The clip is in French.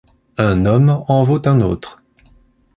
Un homme en vaut un autre !